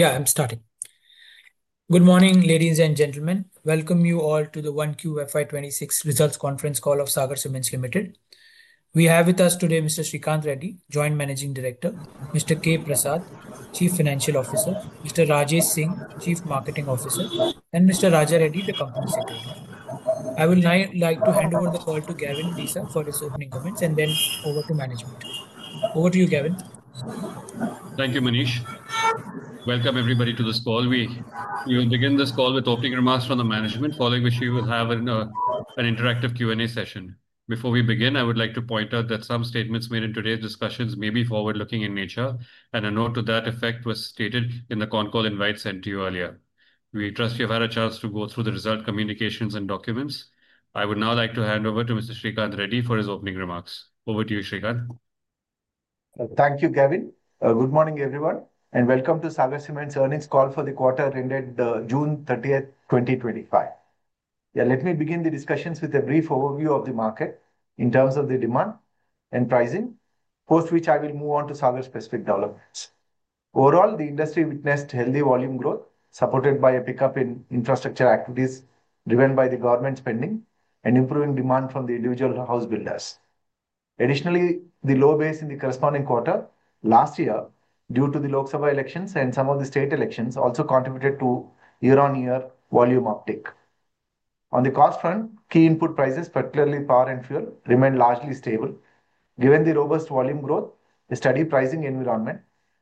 Yeah, I'm starting. Good morning ladies and gentlemen. Welcome you all to the 1QFY 2026 results conference call of Sagar Cements Ltd. We have with us today Mr. S. Sreekanth Reddy, Joint Managing Director, Mr. K. Prasad, Chief Financial Officer, Mr. Rajesh Singh, Chief Marketing Officer, and Mr. J. Raja Reddy, the Company Secretary. I would like to hand over the call to Gavin Desa for his opening comments and then over to management. Over to you, Gavin. Thank you, Manish. Welcome everybody to this call. We will begin this call with optic remarks from the management, following which you will have an interactive Q and A session. Before we begin, I would like to point out that some statements made in today's discussions may be forward looking in nature. A note to that effect was stated in the Concall invite sent to you earlier. We trust you have had a chance to go through the result communications and documents. I would now like to hand over to Mr. S. Sreekanth Reddy for his opening remarks. Over to you, Sreekanth. Thank you, Gavin. Good morning, everyone, and welcome to Sagar Cements Ltd's earnings call for the quarter ended June 30, 2025. Let me begin the discussions with a brief overview of the market in terms of the demand and pricing, post which I will move on to Sagar specific developments. Overall, the industry witnessed healthy volume growth supported by a pickup in infrastructure activities driven by the government spending and improving demand from the individual house builders. Additionally, the low base in the corresponding quarter last year due to the Lok Sabha elections and some of the state elections also contributed to year-on-year volume uptick. On the cost front, key input prices, particularly power and fuel, remained largely stable. Given the robust volume growth, the steady pricing environment,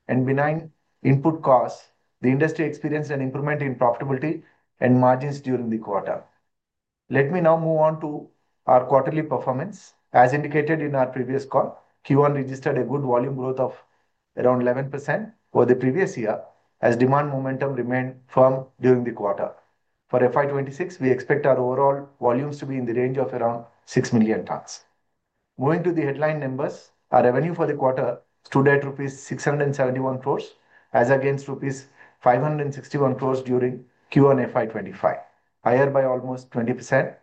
and benign input costs, the industry experienced an improvement in profitability and margins during the quarter. Let me now move on to our quarterly performance. As indicated in our previous call, Q1 registered a good volume growth of around 11% for the previous year. As demand momentum remained firm during the quarter, for FY 2026 we expect our overall volumes to be in the range of around 6 million tons. Moving to the headline numbers, our revenue for the quarter stood at rupees 671 crore as against rupees 561 crore during Q1 FY 2025, higher by almost 20%.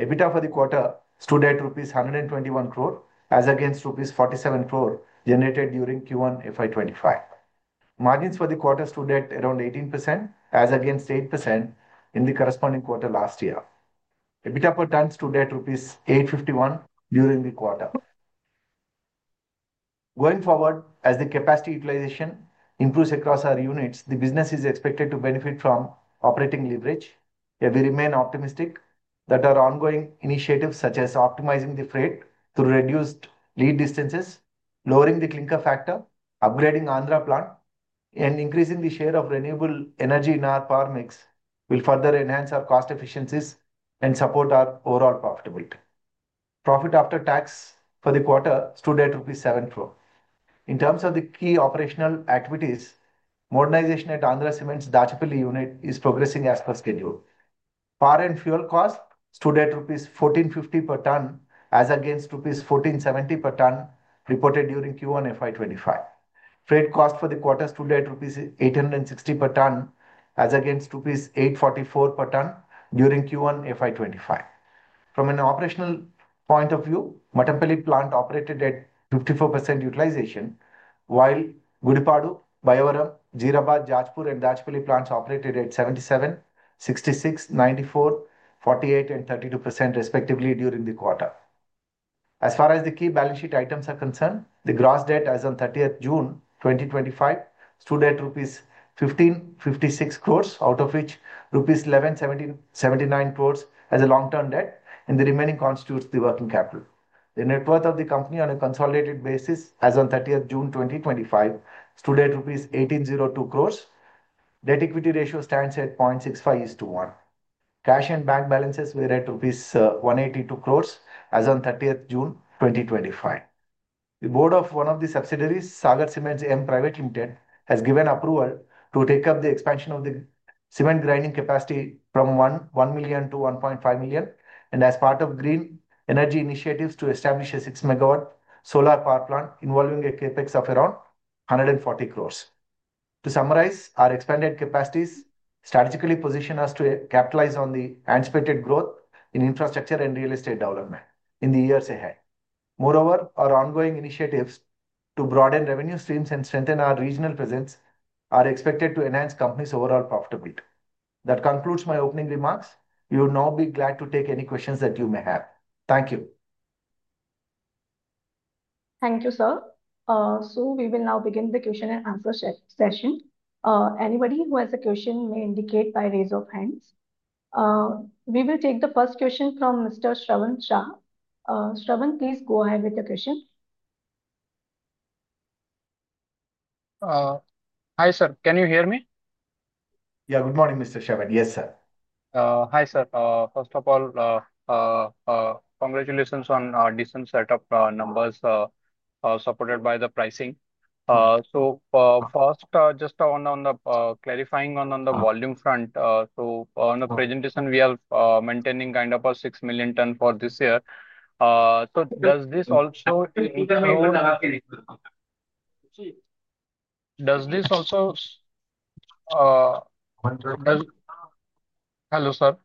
EBITDA for the quarter stood at rupees 121 crore as against rupees 47 crore generated during Q1 FY 2025. Margins for the quarter stood at around 18% as against 8% in the corresponding quarter last year. EBITDA per ton stood at 851 rupees during the quarter. Going forward, as the capacity utilization improves across our units, the business is expected to benefit from operating leverage. We remain optimistic that our ongoing initiatives such as optimizing the freight through reduced lead distances, lowering the clinker factor, upgrading Andhra Cements Ltd plant, and increasing the share of renewable energy in our power mix will further enhance our cost efficiencies and support our overall profitability. Profit after tax for the quarter stood at rupees 7 crore. In terms of the key operational activities, modernization at Andhra Cements Ltd Dachipalli unit is progressing as per schedule. Power and fuel cost stood at INR 1,450 per ton as against INR 1,470 per ton reported during Q1 FY 2025. Freight cost for the quarter stood at INR 860 per ton as against INR 844 per ton during Q1 FY 2025. From an operational point of view, Mattampalli plant operated at 54% utilization while Gudipadu, Bayyavaram, Jeerabad, Jajpur, and Dachipalli plants operated at 77%, 66%, 94%, 48%, and 32% respectively during the quarter. As far as the key balance sheet items are concerned, the gross debt as on June 30, 2025 stood at rupees 1,556 crore, out of which rupees 1,179 crore is long-term debt and the remaining constitutes the working capital. The net worth of the company on a consolidated basis as on June 30, 2025 stood at rupees 1,802 crore. Debt Equity Ratio stands at 0.651. Cash and bank balances were at INR 182 crore as on June 30, 2025. The Board of one of the subsidiaries, Sagar Cements (M) Private Limited, has given approval to take up the expansion of the cement grinding capacity from 1 million-1.5 million and as part of green energy initiatives to establish a 6 MW solar power plant involving a CAPEX of around 140 crore. To summarize, our expanded capacities strategically position us to capitalize on the anticipated growth in infrastructure and real estate development in the years ahead. Moreover, our ongoing initiatives to broaden revenue streams and strengthen our regional presence are expected to enhance the company's overall profitability. That concludes my opening remarks. You'll now be glad to take any questions that you may have. Thank you. Thank you, sir. We will now begin the question and answer session. Anybody who has a question may indicate by raise of hands. We will take the first question from Mr. Shravan Shah. Shravan, please go ahead with your question. Hi sir, can you hear me? Yeah, good morning, Mr. Shepherd. Yes, sir. Hi sir. First of all, congratulations on decent setup numbers supported by the pricing. Just on the clarifying on the volume front, on the presentation, we are maintaining kind of a 6 million ton for this year. Does this also. Does this also. Hello, sir.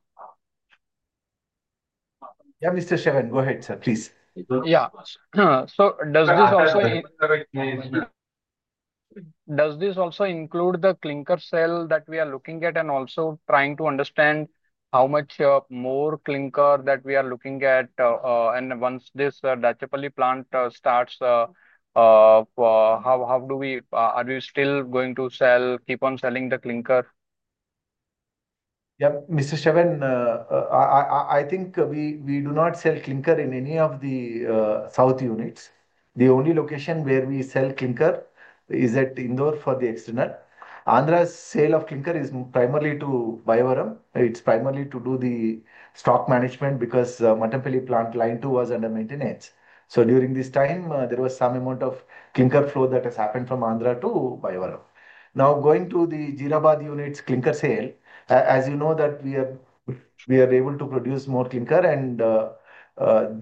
Yeah. Mr. Sreekanth Reddy. Go ahead sir, please. Does this also include the clinker cell that we are looking at? Also, trying to understand how much more clinker that we are looking at. Once this Dachipalli plant starts, are we still going to keep on selling the clinker? Yeah. Mr. Shavan, I think we do not sell clinker in any of the South units. The only location where we sell clinker is at Indore for the external. Andhra's sale of clinker is primarily to Bayyavaram. It's primarily to do the stock management because Mattampalli plant line 2 was under 198. During this time there was some amount of clinker flow that has happened from Andhra to Bayyavaram. Now, going to the Jeerabad units, clinker sale, as you know, we are able to produce more clinker and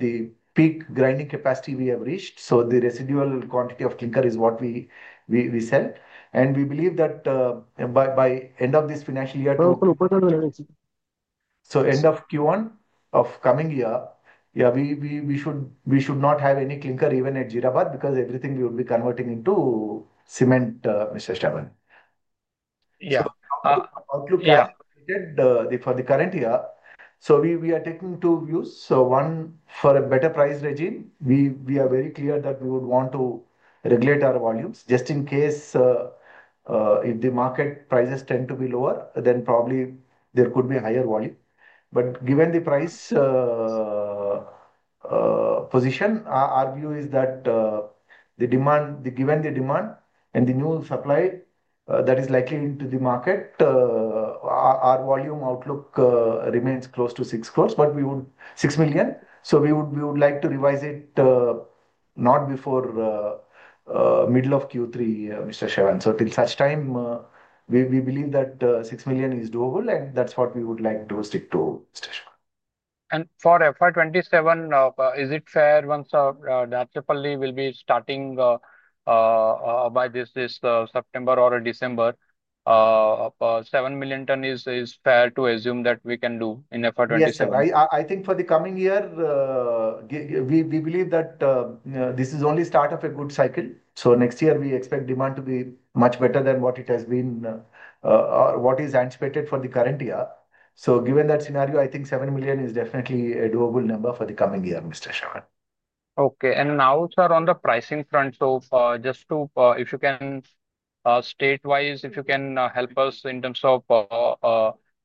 the peak grinding capacity we have reached. The residual quantity of clinker is what we sell. We believe that by end of this financial year, end of Q1 of coming year, we should not have any clinker even at Jeerabad because everything we would be converting into cement. Mr. Stan. Yeah. Outlook for the current year. We are taking two views. One, for a better price regime. We are very clear that we would want to regulate our volumes just in case. If the market prices tend to be lower, then probably there could be a higher volume. Given the price position, our view is that the demand, given the demand and the new supply that is likely into the market, our volume outlook remains close to 6 million. We would like to revise it, not before middle of Q3. Till such time, we believe that 6 million is doable and that's what we would like to stick to. For FY 2027, is it fair? Once we will be starting by this September or December, 7 million ton is fair to assume that we can do in FY 2027. I think for the coming year we believe that this is only the start of a good cycle. Next year we expect demand to be much better than what it has been, what is anticipated for the current year. Given that scenario, I think 7 million is definitely a doable number for the coming year. Mr. Shawan. Okay. Now sir, on the pricing front, if you can, state-wise, help us in terms of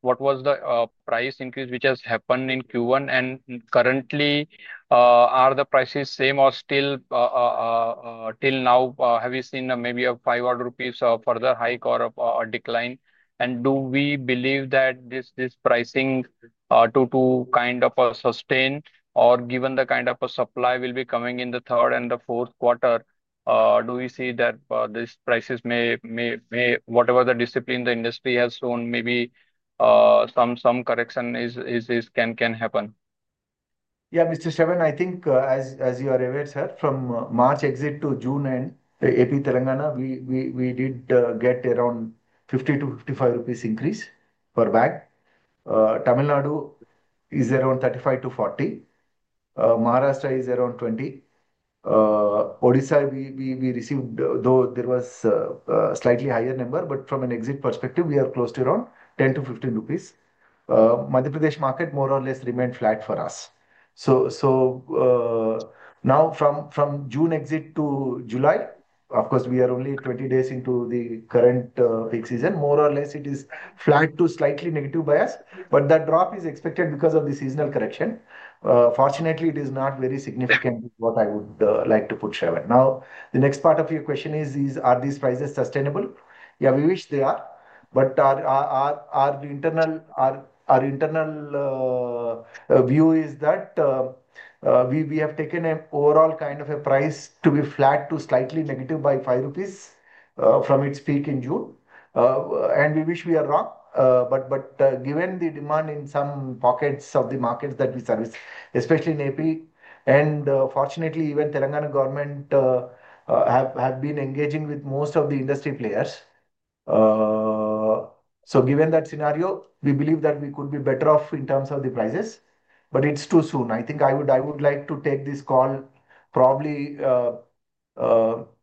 what was the price increase which has happened in Q1 and currently, are the prices the same or till now have you seen maybe an INR 500 further hike or a decline, and do we believe that this pricing is going to sustain or, given the kind of supply that will be coming in the third and the fourth quarter, do we see that these prices may, whatever the discipline the industry has shown, maybe some correction can happen. Yeah. Mr. Shivan, I think as you are aware sir from March exit to June end in AP Telangana we did get around 50 to 55 increase per bag. Tamil Nadu is around 35-40. Maharashtra is around 20. Odisha we received, though there was slightly higher number, but from an exit perspective we are close to around INR 30, 10 to 15 rupees. Madhya Pradesh market more or less remained flat for us. Now from June exit to July, of course we are only 20 days into the current season, more or less it is flat to slightly negative bias. That drop is expected because of the seasonal correction. Fortunately, it is not very significant. What I would like to put forward now, the next part of your question is are these prices sustainable? Yeah, we wish they are, but our internal view is that we have taken an overall kind of a price to be flat to slightly negative by 5 rupees from its peak in June. We wish we are wrong, but given the demand in some pockets of the markets that we service, especially in AP, and fortunately even Telangana government have been engaging with most of the industry players. Given that scenario, we believe that we could be better off in terms of the prices. It's too soon. I think I would like to take this call probably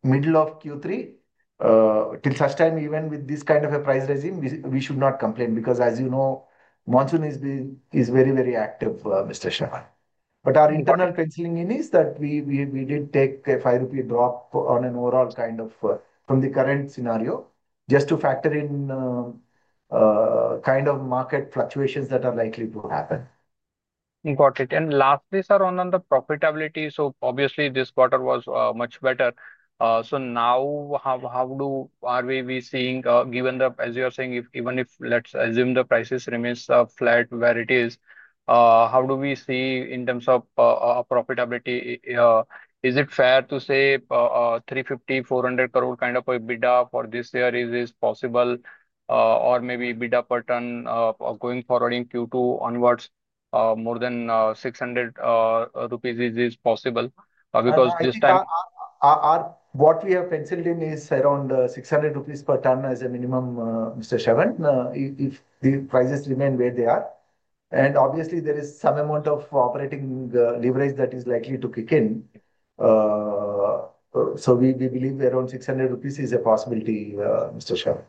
middle of Q3. Till such time, even with this kind of a price regime, we should not complain because as you know monsoon is very very active, Mr. Shah. Our internal concerning is that we did take a 5 rupee drop on an overall kind of from the current scenario just to factor in kind of market fluctuations that are likely to happen. Got it. Lastly, sir, on the profitability, this quarter was much better. Now, how are we seeing, given the, as you are saying, even if let's assume the prices remain flat where it is, how do we see in terms of profitability? Is it fair to say 350 crore, 400 crore kind of EBITDA for this year? Is this possible, or maybe EBITDA per ton going forward in Q2 onwards, more than 600 rupees is possible? Because this time what we have penciled in is around 600 rupees per ton as a minimum. If the prices remain where they are, and obviously there is some amount of operating leverage that is likely to kick in, we believe around 600 rupees is a possibility. That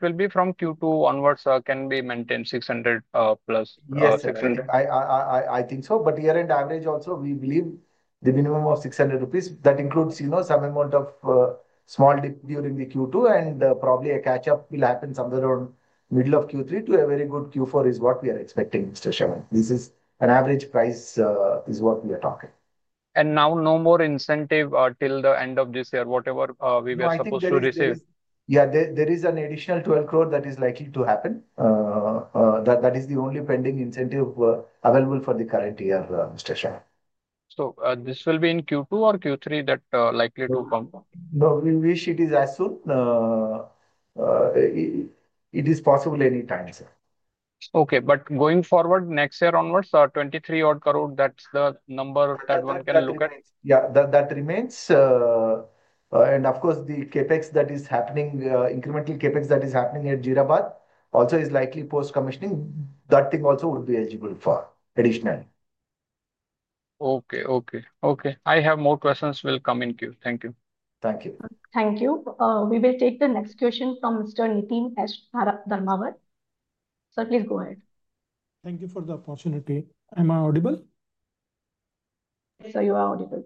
will be from Q2 onwards, can be maintained. 600 plus. I think so. Year-end average also, we believe the minimum of 600 rupees. That includes some amount of small dip during Q2, and probably a catch-up will happen somewhere around the middle of Q3 to a very good Q4 is what we are expecting. Mr. Shaman, this is an average price is what we are talking. There is no more incentive till the end of this year, whatever we were supposed to receive. Yeah. There is an additional 12 crore that is likely to happen. That is the only pending incentive available for the current year. Mr. Shah. Will this be in Q2 or Q3 that is likely to come? We wish it is as soon as it is possible. Anytime, sir. Okay. Going forward, next year onwards, 23 crore odd. That's the number that one can look at. Yeah, that remains. Of course, the CAPEX that is happening, incremental CAPEX that is happening at Jeerabad also is likely post commissioning. That thing also would be eligible for additional. Okay. I have more questions will come in queue. Thank you. Thank you. Thank you. We will take the next question from Mr. Nitin. Sir, please go ahead. Thank you for the opportunity. Am I audible? You are audible.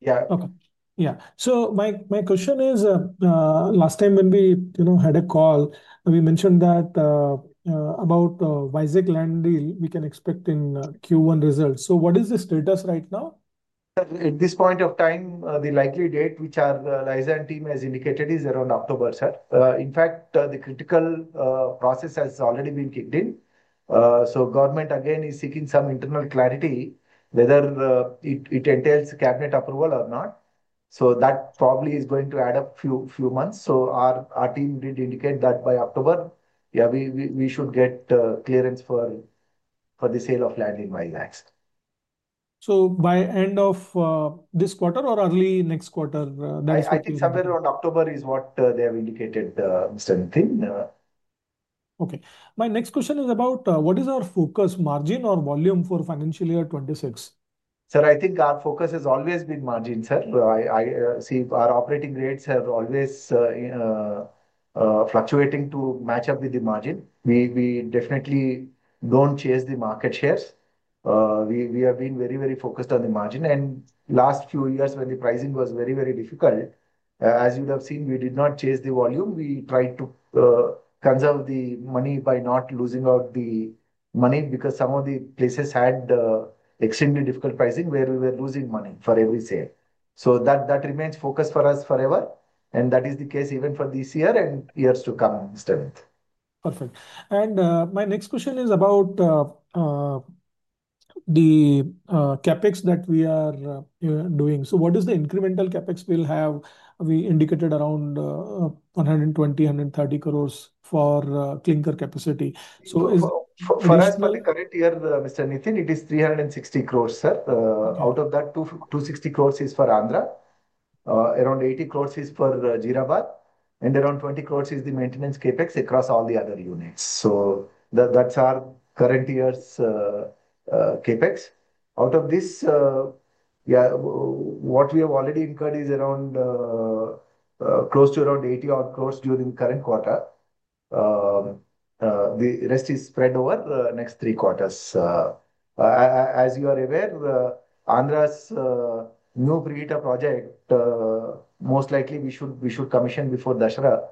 Yeah. Okay. Yeah. My question is last time when we had a call we mentioned that about Vizag land deal. We can expect in Q1 results. What is the status right now? At this point of time? The likely date which our Lysand team has indicated is around October. In fact, the critical process has already been kicked in. The government again is seeking some internal clarity whether it entails cabinet approval or not. That probably is going to add up a few months. Our team did indicate that by October we should get clearance for the sale of land at Vizag. By end of this quarter or early next quarter, I think somewhere around. October is what they have indicated, Mr. Nitin. Okay, my next question is about what is our focus, margin or volume for financial year 2026. Sir, I think our focus has always been margin, sir. Our operating rates are always fluctuating to match up with the margin. We definitely don't chase the market shares. We have been very, very focused on the margin, and last few years when the pricing was very, very difficult, as you would have seen, we did not chase the volume. We tried to conserve the money by not losing out the money because some of the places had extremely difficult pricing where we were losing money for every sale. That remains focused for us forever, and that is the case even for this year and years to come. Perfect. My next question is about the CAPEX that we are doing. What is the incremental CAPEX we'll have? We indicated around 120-130 crore for clinker capacity. Is that correct? Year Mr. Nitin, it is 360 crores, sir. Out of that, 260 crores is for Andhra, around 80 crores is for Jeerabad, and around 20 crores is the maintenance CapEx across all the other units. That's our current year's CapEx. Out of this, what we have already incurred is around close to 80 odd crores during the current quarter. The rest is spread over the next three quarters. As you are aware, Andhra's new preheater project most likely we should commission before Dussehra.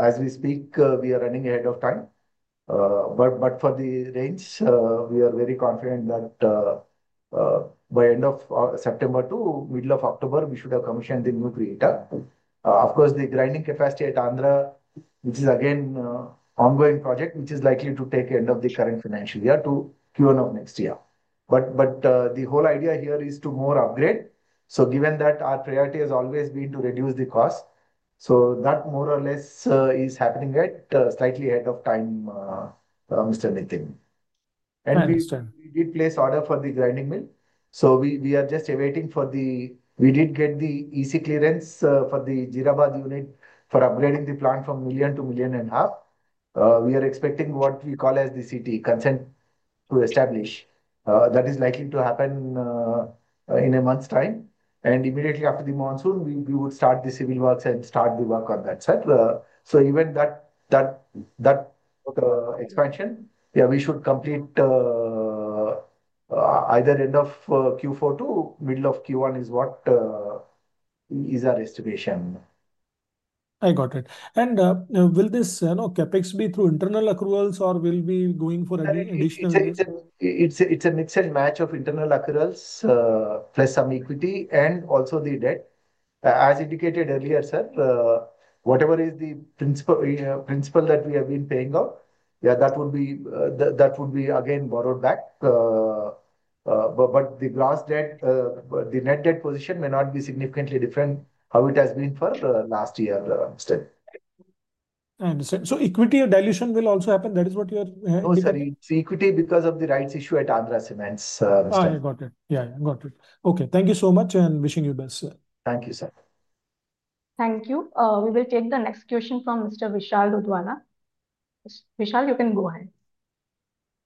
As we speak, we are running ahead of time, but for the rains, we are very confident that by end of September to middle of October, we should have commissioned the new preheater. Of course, the grinding capacity at Andhra, which is again an ongoing project, is likely to take until the end of the current financial year to Q1 of next year, but the whole idea here is to upgrade more, so given that our priority has always been to reduce the cost, that more or less is happening at slightly ahead of time, Mr. Nitin. We did place order for the grinding mill, so we are just awaiting for the EC clearance for the Jeerabad unit for upgrading the plant from million to million and half. We are expecting what we call as the CT consent to establish. That is likely to happen in a month's time, and immediately after the monsoon, we would start the civil works and start the work on that, sir. Even that expansion, we should complete either end of Q4 to middle of Q1 is what is our estimation. I got it. Will this CapEx be through internal accruals or will we be going for any additional? It's a mix and match of internal accruals plus some equity and also the debt as indicated earlier, sir, whatever is the principal that we have been paying off. That would be again borrowed back. The gross debt, the net debt position may not be significantly different from how it has been for the last year still. I understand. Equity or dilution will also happen. That is what you are. No, sorry, it's equity because of the rights issue at Andhra Cements Ltd. Got it? Yeah, got it. Okay. Thank you so much and wishing you best, sir. Thank you, sir. Thank you. We will take the next question from Mr. Vishal Udwana. Vishal, you can go ahead.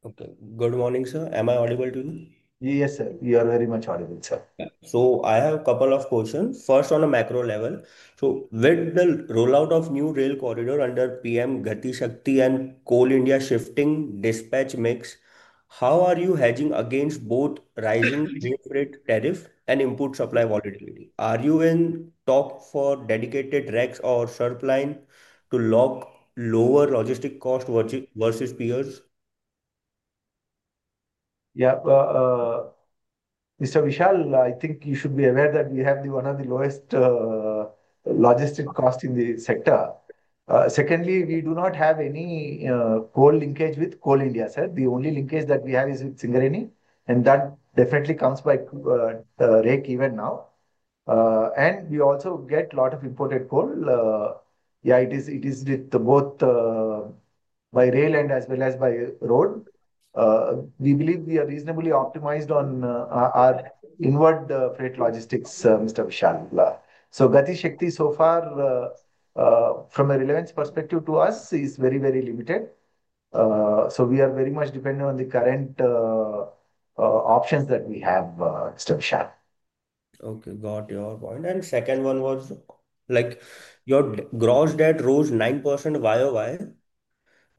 Okay. Good morning, sir. Am I audible to you? Yes sir, you are very much audible, sir. I have a couple of questions. First, on a macro level, with the rollout of the new rail corridor under PM Gati Shakti and Coal India shifting dispatch mix, how are you hedging against both rising rate tariff and input supply volatility? Are you in talks for dedicated racks or supply line to lock lower logistic cost versus peers? Yeah. Mr. Vishal, I think you should be aware that we have one of the lowest logistic costs in the sector. Secondly, we do not have any coal linkage with Coal India. The only linkage that we have is with Singareni and that definitely comes by rake even now. We also get a lot of imported coal. It is with both by rail and as well as by road. We believe we are reasonably optimized on our inward freight logistics, Mr. Vishal. Gati Shakti so far from a relevance perspective to us is very, very limited. We are very much dependent on the current options that we have, Mr. Vishal. Okay, got your point. The second one was like your gross debt rose 9% YoY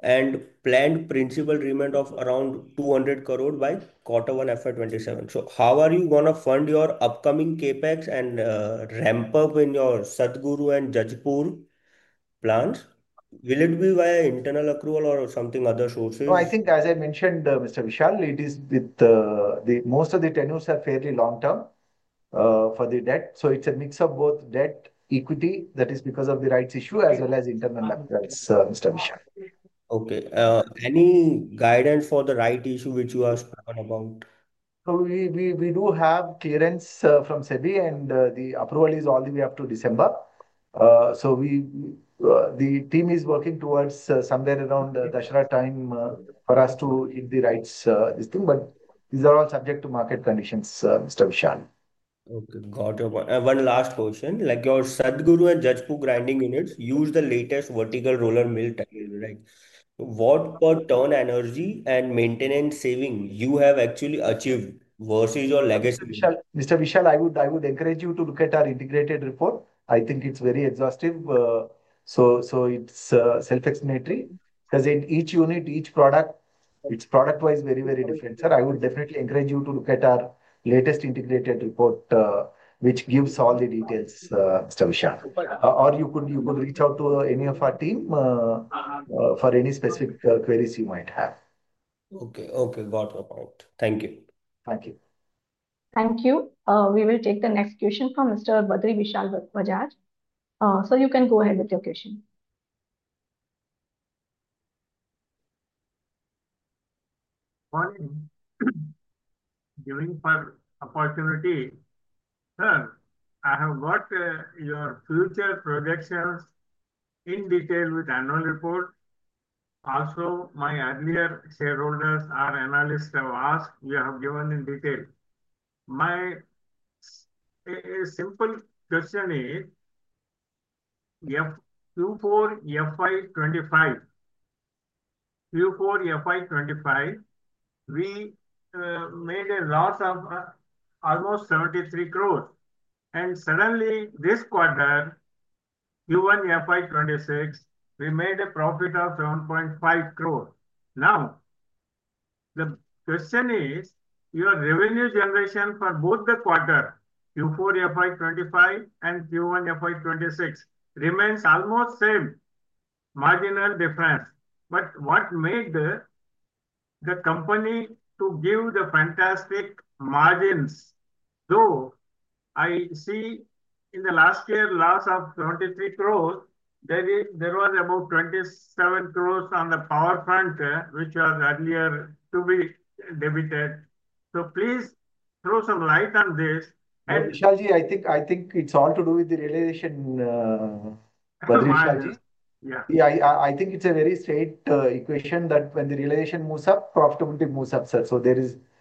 and planned principal remit of around INR 200 crore by quarter one FY 2027. How are you going to fund your upcoming CAPEX and ramp up in your Sagar and Jeerabad plans? Will it be via internal accrual or some other sources? I think as I mentioned, Mr. Vishal, most of the tenures are fairly long term for the debt. It's a mix of both debt and equity. That is because of the rights issue as well as internal. Mr. Vishal. Okay, any guidance for the rights issue which you asked about? We do have clearance from SEBI and the approval is all the way up to December. The team is working towards somewhere around Dussehra time for us to hit the rights issue, but these are all subject to market conditions. Mr. Vishal. Okay, got your one last portion. Like your Jeerabad and Jajpur grinding units use the latest vertical roller mill technique. What per ton energy and maintenance saving you have actually achieved versus your legacy. Mr. Vishal, I would encourage you to look at our integrated report. I think it's very exhaustive, so it's self-explanatory. Present each unit, each product, its product-wise, very, very different. Sir, I would definitely encourage you to look at our latest integrated report, which gives all the details, Mr. Vishal. You could reach out to any of our team for any specific queries you might have. Okay. Okay. What about. Thank you. Thank you. Thank you. We will take the next question from Mr. Badri Vishal Bajaj. You can go ahead with your question. Morning. Thank you for the opportunity. Sir, I have worked your future projections in detail with the annual report. Also, my earlier shareholders or analysts have asked. You have given in detail my. A simple question is Q4 FY 2025. Q4 FY 2025 we made a loss of almost 73 crore. Suddenly, this quarter, even FY 2026, we made a profit of 7.5 crore. Now the question is your revenue generation for both the quarters Q4 FY 2025 and Q1 FY 2026 remains almost the same, marginal difference. What made the company give the fantastic margins, though I see in the last year, loss of 23 crore, there was about 27 crore on the power front which was earlier to be debited. Please throw some light on this. I think it's all to do with the relation. Yeah. I think it's a very straight equation that when the realization moves up, profitability moves up. Sir,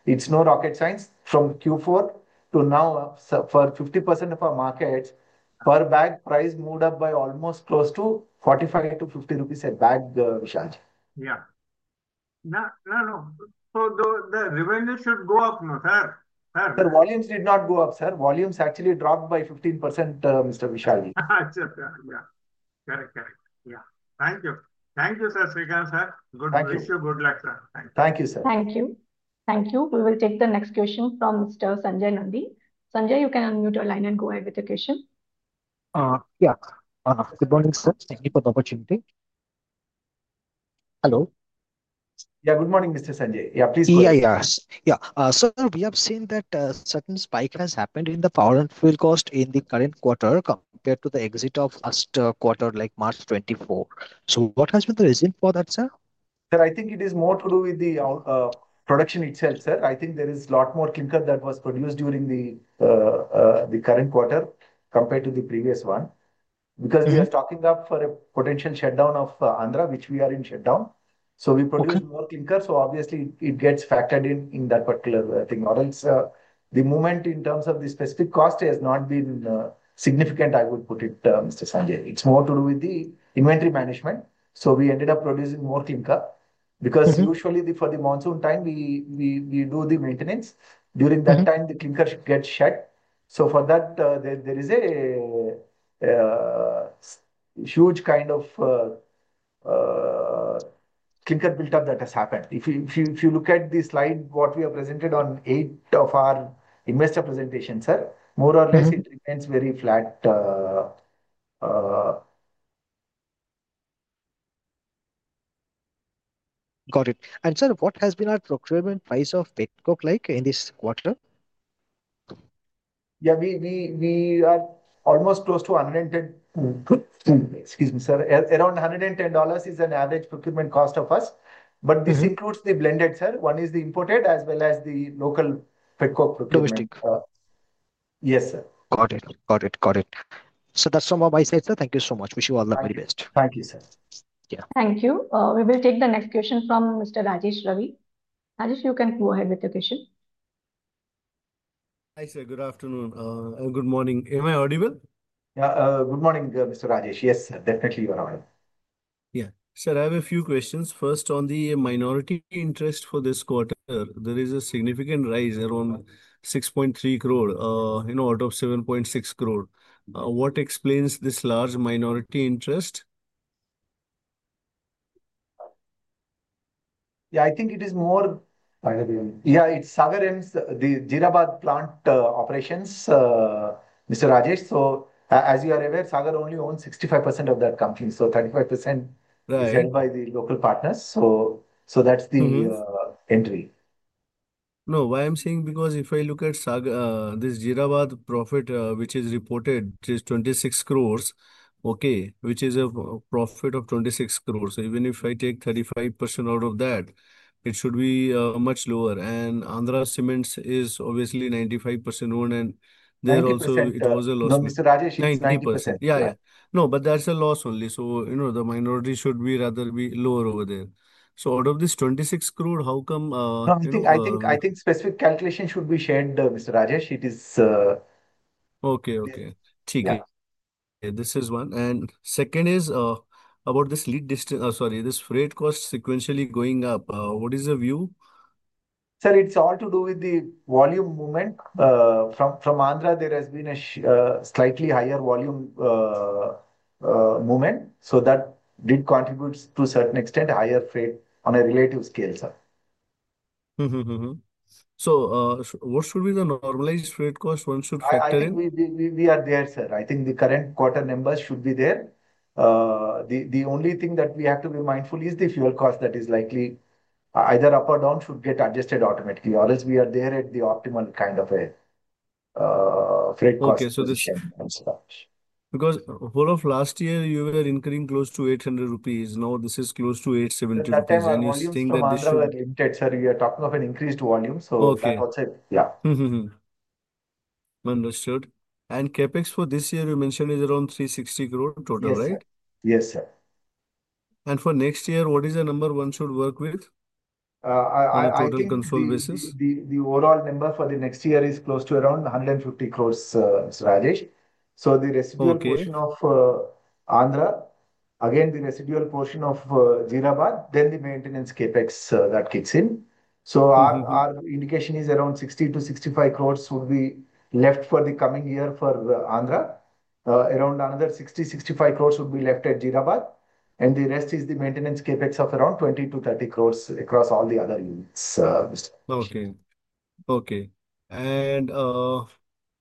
it's no rocket science. From Q4 to now, for 50% of our markets, per bag price moved up by almost close to 45-50 rupees per bag. No, no. The revenue should go up. Sir, volumes did not go up. Volumes actually dropped by 15%. Mr. Vishali, yeah. Thank you. Thank you, sir. Good luck, sir. Thank you, sir. Thank you. Thank you. We will take the next question from Mr. Sanjay Nandi. Sanjay, you can unmute your line and go ahead with your question. Yeah, good morning sir. Thank you for the oppotunity. Hello. Good morning, Mr. Sanjay. Please. Yeah. We have seen that a certain spike has happened in the power and fuel cost in the current quarter compared to the exit of last quarter, like March 24. What has been the reason for that? Sir, I think it is more to do with the production itself. I think there is a lot more clinker that was produced during the current quarter compared to the previous one because we are stocking up for a potential shutdown of Andhra, which we are in shutdown. We produced more clinker, so obviously it gets factored in that particular thing. In terms of the specific cost, it has not been significant. I would put it, Mr. Sanjay, it's more to do with the inventory management. We ended up producing more clinker because usually for the monsoon time we do the maintenance. During that time the clinker gets shed. For that, there is a huge kind of clinker build-up that has happened. If you look at this slide, what we have presented on 8 of our investor presentation, more or less it remains very flat. Got it. What has been our procurement price of petcoke like in this quarter? We are almost close to $110. Excuse me, sir, around $110 is an average procurement cost for us, but this includes the blended. One is the imported as well as the local. Yes, sir. Got it. Got it. Got it. That's some from my side. Sir, thank you so much. Wish you all the very best. Thank you, sir. Thank you. We will take the next question from Mr. Rajesh Singh. Rajesh, you can go ahead with the question. Good afternoon. Good morning. Am I audible? Good morning, Mr. Rajesh. Yes, definitely, you are on. Yeah. Sir, I have a few questions. First, on the minority interest for this quarter, there is a significant rise, around 6.3 crore out of 7.6 crore. What explains this large minority interest? Yeah, I think it is more. By the way. Yeah. It's Sagar. The Jeerabad plant operations. Mr. Rajesh, as you are aware, Sagar only owns 65% of that company, 35% by the local partners. So. That's the entry. No. Why? I'm saying because if I look at Sagar Cements this Jeerabad profit which is reported is 26 crore, which is a profit of 26 crore. Even if I take 35% out of that, it should be much lower. Andhra Cements Ltd is obviously 95% owned. There also it was a loss. Mr. Rajesh is 90%. Yeah. No, that's a loss only. You know the minority should rather be lower over there. Out of this 26 crore, how. I think specific calculation should be shared, Mr. Rajesh. It is okay. Okay, this is one, and second is about this lead distance. Sorry, this freight cost sequentially going up. What is the view? Sir, it's all to do with the volume movement from Andhra. There has been a slightly higher volume movement, so that did contribute to a certain extent higher freight on a relative scale, sir. What should be the normalized freight? Cost one should we are there sir. I think the current quarter numbers should be there. The only thing that we have to be mindful is the fuel cost that is likely either up or down should get adjusted automatically or as we are there at the optimal kind of a. Because all of last year you were incurring close to 800 rupees. Now this is close to 870 rupees. We are talking of an increased volume. Yeah, understood. CapEx for this year you mentioned is around 360 crore total, right? Yes sir. For next year, what is the number one should work with? The overall number for the next year is close to around 150 crore. The residual portion of Andhra, again the residual portion of Jeerabad, then the maintenance CAPEX that kicks in. Our indication is around 60-65 crore will be left for the coming year for Andhra, around another 60-65 crore would be left at Jeerabad. The rest is the maintenance CAPEX of around 20-30 crore across all the other units. Okay.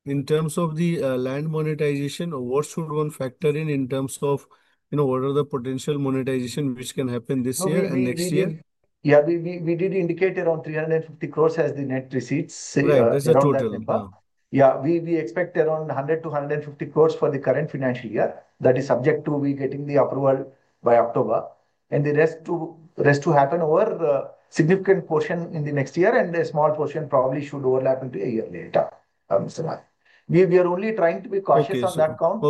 In terms of the land monetization, what should one factor in in terms of, you know, what are the potential monetization which can happen this year and next year? Yeah, we did indicate around 350 crore as the net receipts. We expect around 100-150 crore for the current financial year. That is subject to us getting the approval by October, and the rest to happen over a significant portion in the next year. A small portion probably should overlap into a year later. We are only trying to be cautious on that count.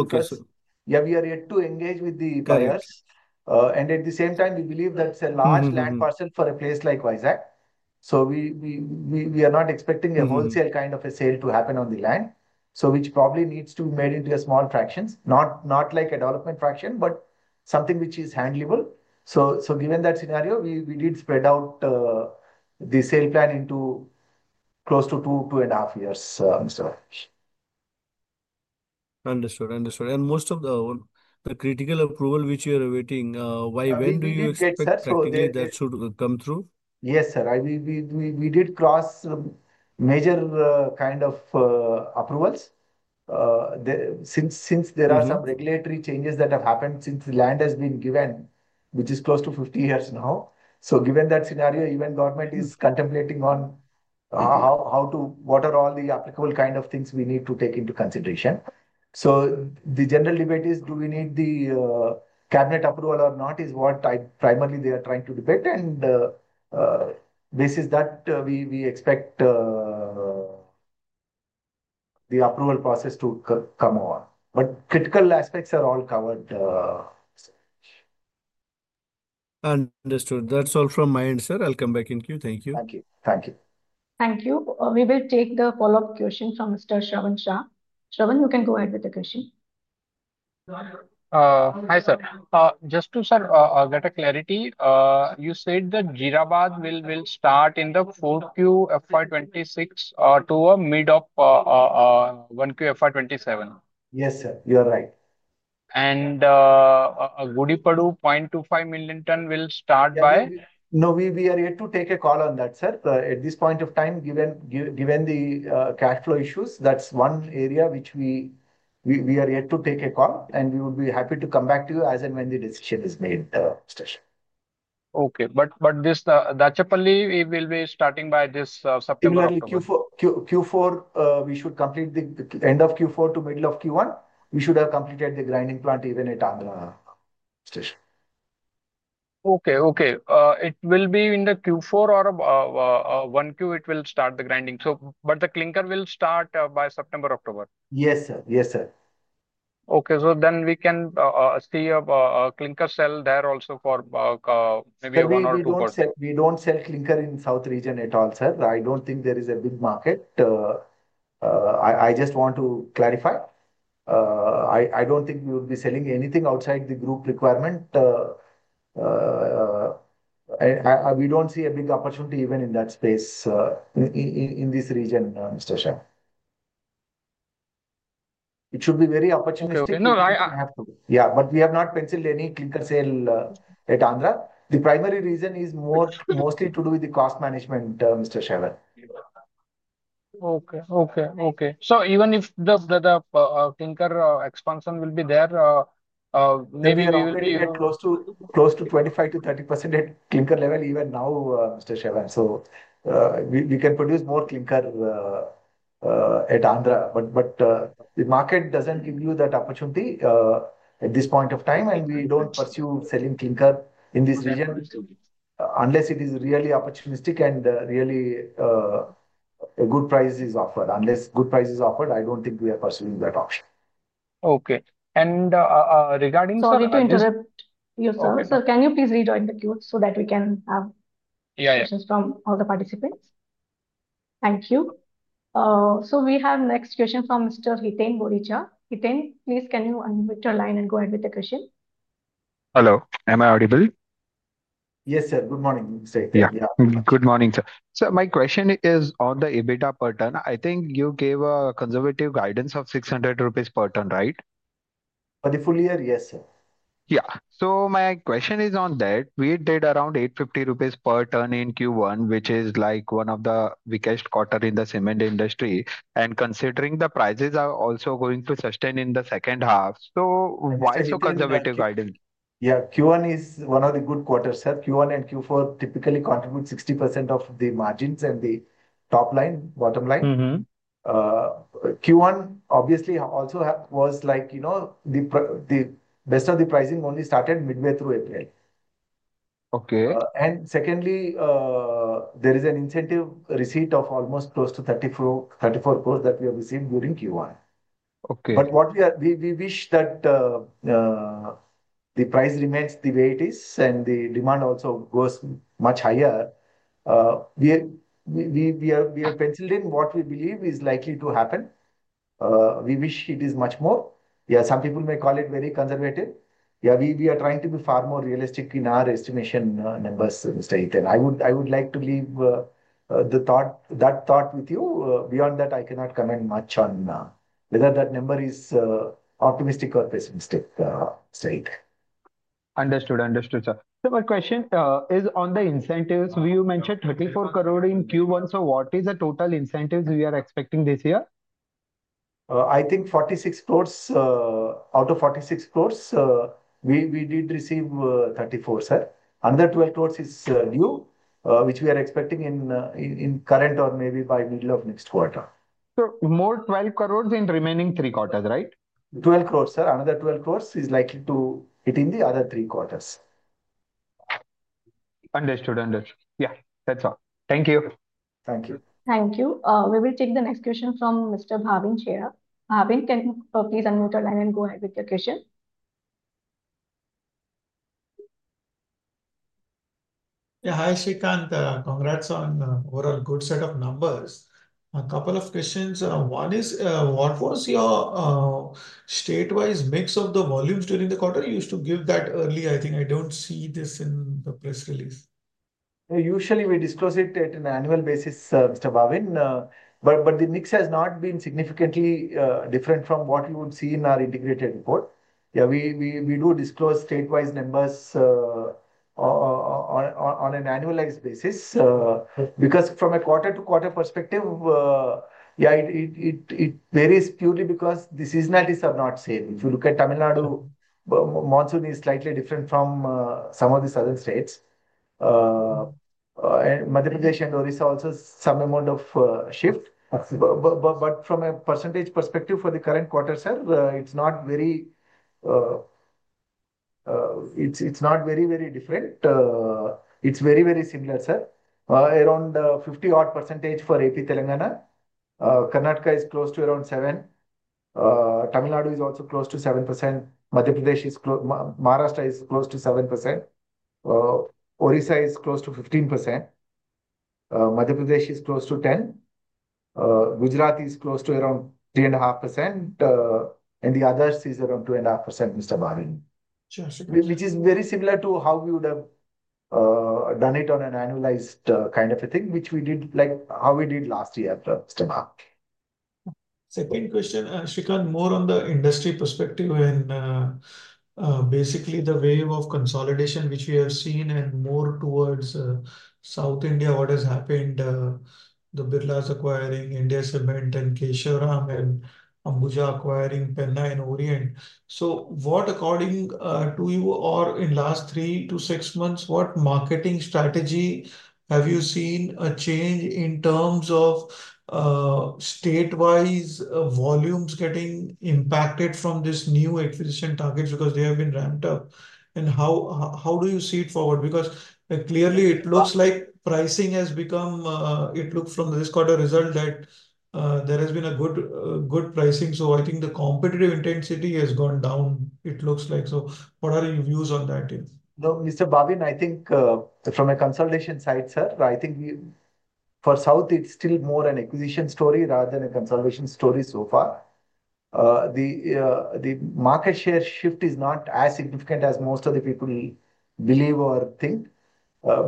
We are yet to engage with the buyers, and at the same time, we believe that it's a large land parcel for a place like Vizag. We are not expecting a wholesale kind of a sale to happen on the land, which probably needs to be made into small fractions, not like a development fraction but something which is handleable. Given that scenario, we did spread out the sale plan into close to two, two and a half years. Understood. Understood. Most of the critical approval which you are awaiting, when do you expect that should come through? Yes sir, we did cross major kind of approvals since there are some regulatory changes that have happened since the land has been given, which is close to 50 years now. Given that scenario, even government is contemplating on how to, what are all the applicable kind of things we need to take into consideration. The general debate is do we need the cabinet approval or not, is what I, primarily they are trying to debate and basis that we expect the approval process to come on. Critical aspects are all covered. Understood. That's all from my answer. I'll come back in queue. Thank you. Thank you. Thank you. Thank you. We will take the follow-up question from Mr. Shravan Shah. Shravan, you can go ahead with the question. Hi sir, just to get a clarity. You said that Jeerabad will start in the 4th Q FY 2026 to a mid of 1 Q FY 2027. Yes, sir, you are right. Gudipadu 0.25 million ton will start by. No, we are yet to take a call on that. Sir, at this point of time, given the cash flow issues, that's one area which we are yet to take a call. We would be happy to come back to you as and when the decision is made. Okay. We will be starting by this Q4. We should complete four to middle of Q1. We should have completed the grinding plant even at. Okay, okay. It will be in the Q4 or 1Q. It will start the grinding. The clinker will start by September, October. Yes sir. Yes sir. Okay, we can see a clinker cell there also for maybe one or two. We don't sell clinker in South India at all. Sir, I don't think there is a big market. I just want to clarify, I don't think we would be selling anything outside the group requirement. We don't see a big opportunity even in that space in this region. Mr. Sreekanth Reddy, it should be very opportunistic. No, I have to. Yeah, but we have not penciled any clinical sale at Andhra. The primary reason is mostly to do with the cost management. Mr. Sreekanth Reddy. Okay. Okay. Okay. Even if the clinker expansion will. We will be close to 25%-30% at clinker level even now. We can produce more clinker at Andhra but the market doesn't give you that opportunity at this point of time. We don't pursue selling clinker in this region unless it is really opportunistic and really a good price is offered. Unless good price is offered, I don't think we are pursuing that option. Okay, regarding. Sorry to interrupt you, sir. Can you please rejoin the queue so that we can have you again? Yeah. Questions from all the participants. Thank you. We have next question from Mr. Please can you unmute your line and go ahead with the question? Hello, am I audible? Yes, sir. Good morning, sir. Good morning. Sir, my question is on the EBITDA per ton. I think you gave a conservative guidance of 600 rupees per ton, right, for the full year. Yes, sir. Yeah. My question is on that. We did around 850 rupees per ton in Q1, which is like one of the weakest quarters in the cement industry. Considering the prices are also going to sustain in the second half, why conservative guidance? Q1 is one of the good quarters, sir. Q1 and Q4 typically contribute 60% of the margins and the top line, bottom line. Q1 obviously also was like, you know, the best of the pricing only started midway through April. Okay. Secondly, there is an incentive receipt of almost close to 34 crore that we have received during Q1. Okay. We wish that the price remains the way it is and the demand also goes much higher. We have penciled in what we believe is likely to happen. We wish it is much more. Some people may call it very conservative. We are trying to be far more realistic in our estimation numbers. Mr. Ethan, I would like to leave that thought with you. Beyond that, I cannot comment much on whether that number is optimistic or pessimistic. Understood. Understood, sir. My question is on the incentives. We mentioned 24 crore in Q1. What is the total incentives are you expecting this year? I think 46 crores. Out of 46 crores, we did receive 34, sir. Another 12 crores is new, which we are expecting in the current or maybe by the middle of next quarter. More 12 crore in remaining three quarters, right. 12 crore are. Another 12 crore is likely to hit in the other three quarters. Understood. Yeah.hat's all. Thank you. Thank you. Thank you. We will take the next question from Mr. Bhavin. Mr. Bhavin, can you please unmute your line and go ahead with your question? Yeah. Hi Sreekanth. Congrats on overall good set of numbers. A couple of questions. One is what was your statewise mix of the volumes during the quarter? You used to give that earlier, I think. I don't see this in the press release. Usually we disclose it at an annual basis, Mr. Bhavin, but the mix has not been significantly different from what you would see in our integrated report. We do disclose statewise numbers on an annualized basis because from a quarter to quarter perspective, it varies purely because the seasonalities are not same. If you look at Tamil Nadu, monsoon is slightly different from some of the southern states. Madhya Pradesh and Orissa also some amount of shift. From a percentage perspective for the current quarter, sir, it's not very, it's not very, very different. It's very, very similar, sir. Around 50% odd for AP. Telangana, Karnataka is close to around 7%. Tamil Nadu is also close to 7%. Madhya Pradesh is close. Maharashtra is close to 7%. Orissa is close to 15%. Madhya Pradesh is close to 10%. Gujarat is close to around 3.5% and the others is around 2.5%. Mr. Bhavin, which is very similar to how we would have done it on an annualized kind of a thing, which we did like how we did last year. Second question, Sreekanth, more on the industry perspective and basically the wave of consolidation which we have seen and more towards South India, what has happened? The Birlas acquiring India Cement and Keshav Ram and Ambuja acquiring Penna and Orient. What, according to you, or in the last three to six months, what marketing strategy have you seen a change in terms of statewise volumes getting impacted from these new acquisition targets because they have been ramped up and how do you see it forward? It looks like pricing has become, it looks from this quarter result that there has been good, good pricing. I think the competitive intensity has gone down, it looks like. What are your views on that? No, Mr. Bhavin, I think from a consolidation side, sir, I think for South, it's still more an acquisition story rather than a consolidation story. So far the market share shift is not as significant as most of the equity believe or think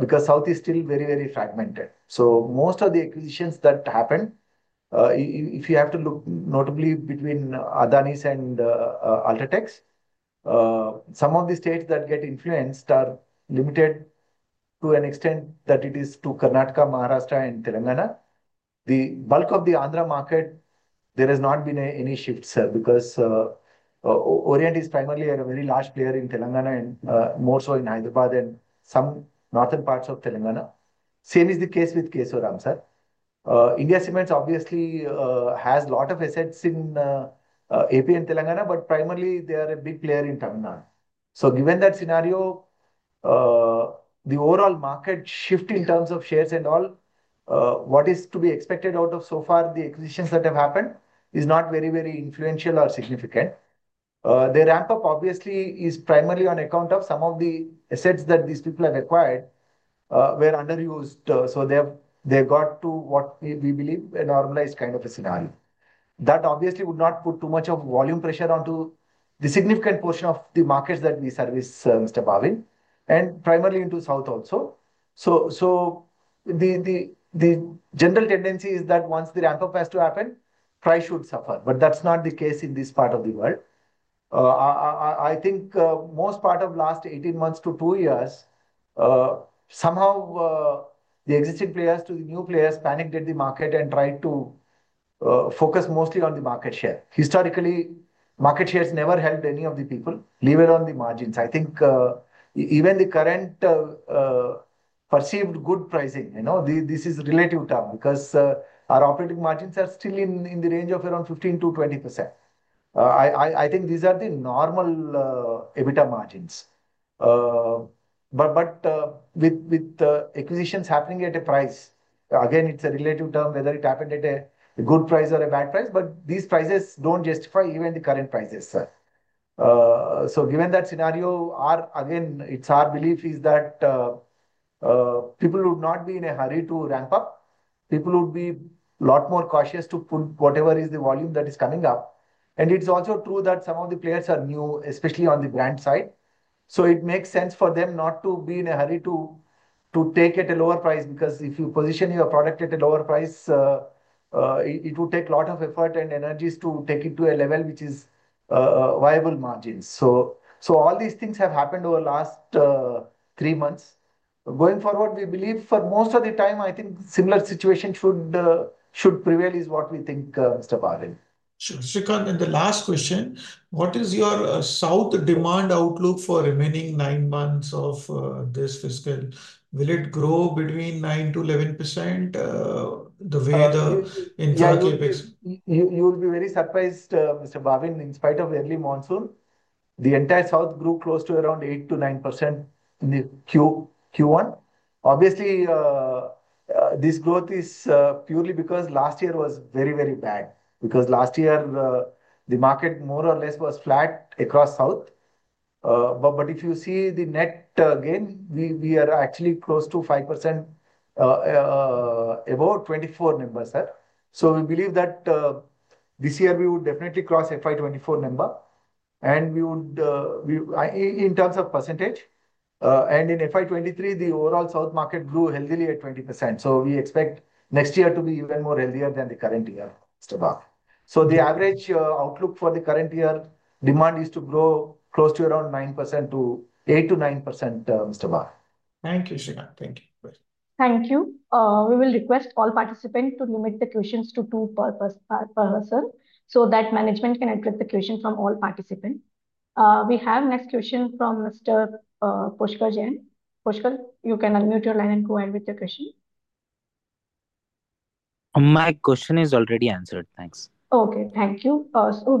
because South is still very, very fragmented. Most of the acquisitions that happen, if you have to look notably between Adanis and UltraTechs, some of the states that get influenced are limited to an extent that it is to Karnataka, Maharashtra, and Telangana, the bulk of the Andhra market. There has not been any shift, sir, because Orient is primarily a very large player in Telangana and more so in Hyderabad and some northern parts of Telangana. Same is the case with Kesoram. India Cements obviously has a lot of assets in Andhra Pradesh and Telangana, but primarily they are a big player in Tamil Nadu. Given that scenario, the overall market shift in terms of shares and all, what is to be expected out of so far the acquisitions that have happened is not very, very influential or significant. The ramp up obviously is primarily on account of some of the assets that these people have acquired were underused. They got to what we believe a normalized kind of a scenario that obviously would not put too much of volume pressure onto the significant portion of the markets that we service, Mr. Bhavin, and primarily into South also. The general tendency is that once the ramp up has to happen, price should suffer. That's not the case in this part of the world. I think most part of last 18 months to two years, somehow the existing players to the new players panicked at the market and tried to focus mostly on the market share. Historically, market shares never held any of the people leave it on the margins. I think even the current perceived good pricing, you know this is a relative term because our operating margins are still in the range of around 15 to 20%. I think these are the normal EBITDA margins but with acquisitions happening at a price, again it's a relative term whether it happened at a good price or a bad price. These prices don't justify even the current prices. Given that scenario again, our belief is that people would not be in a hurry to ramp up. People would be a lot more cautious to pull whatever is the volume that is coming up. It is also true that some of the players are new, especially on the brand side, so it makes sense for them not to be in a hurry to take at a lower price because if you position your product at a lower price, it would take a lot of effort and energies to take it to a level which is viable margins. All these things have happened over the last three months. Going forward, we believe for most of the time, I think a similar situation should prevail, is what we think, Mr. Paril. Sure. Sreekanth, in the last question, what is your South demand outlook for the remaining nine months of this fiscal? Will it grow between 9%-11% the way the. You will be very surprised Mr. Bhavin. In spite of early monsoon, the entire South grew close to around 8%-9% in Q1. Obviously, this growth is purely because last year was very, very bad because last year the market more or less was flat across South, but if you see the net gain, we are actually close to 5% above 2024 number, sir. We believe that this year we would definitely cross FY 2024 number in terms of percentage. In FY 2023, the overall South market grew healthily at 20%. We expect next year to be even more healthy than the current year. The average outlook for the current year demand is to grow close to around 8%-9%. Thank you, Sheena. Thank you. Thank you. We will request all participants to limit the questions to two per person so that management can attract the questions from all participants. We have next question from Mr.You can unmute your line and go ahead with your question. My question is already answered. Thank you.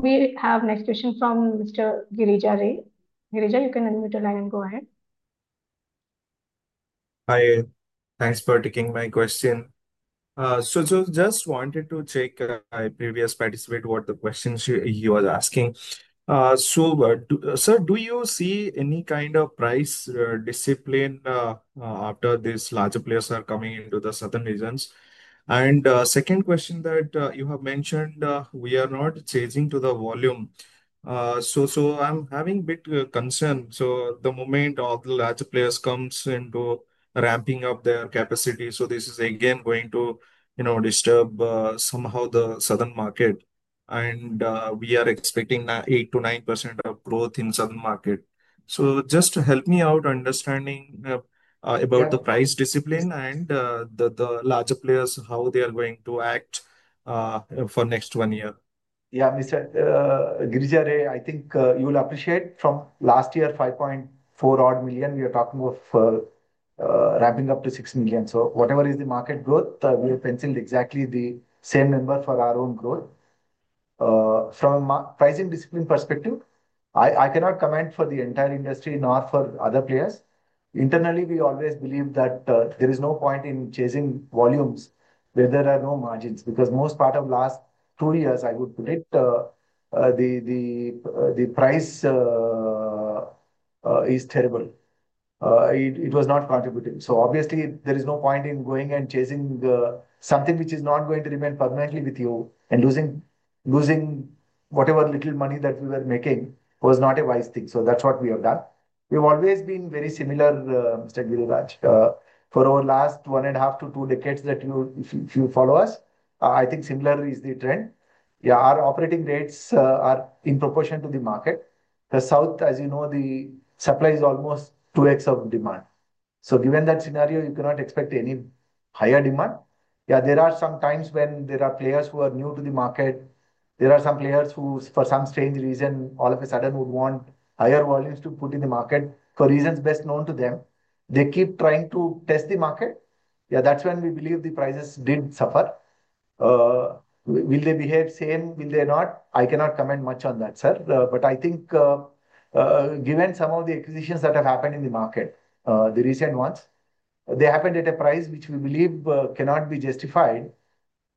We have next question from Mr. Girija Ray. Girija, you can unmute your line and go ahead. Hi, thanks for taking my question. I just wanted to check my previous participate in what the questions he was asking. Sir, do you see any kind of price discipline after these larger players are coming into the southern regions? The second question that you have mentioned, we are not chasing the volume. I'm having bit concern. The moment the larger players come into ramping up their capacity, this is again going to disturb somehow the southern market. We are expecting 8%-9% of growth in southern market. Please help me out understanding about the price discipline and the larger players. How they are going to act for next one year. Yeah. Mr. Girija Ray, I think you will appreciate from last year 5.4 million. We are talking of ramping up to 6 million. Whatever is the market growth, we have penciled exactly the same number for our own growth from pricing discipline perspective. I cannot comment for the entire industry nor for other players. Internally, we always believe that there is no point in chasing volumes where there are no margins because most part of last two years, I would predict the price is terrible. It was not contributing. Obviously, there is no point in going and chasing something which is not going to remain permanently with you, and losing whatever little money that we were making was not a wise thing. That's what we have done. We've always been very similar, Mr. Guru Raj, for over last one and a half to two decades that if you follow us, I think similar is the trend. Yeah. Our operating rates are in proportion to the market. The South, as you know, the supply is almost 2x of demand. Given that scenario, you cannot expect any higher demand. There are some times when there are players who are new to the market. There are some players who, for some strange reason, all of a sudden would want higher volumes to put in the market. For reasons best known to them, they keep trying to test the market. That's when we believe the prices did suffer. Will they behave same? Will they not? I cannot comment much on that, sir, but I think given some of the acquisitions that have happened in the market, the recent ones, they happened at a price which we believe cannot be justified